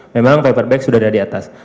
memang paperback sudah ada di atas